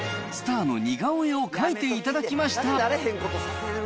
スターの似顔絵を描いていただきました。